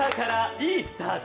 いいスタート？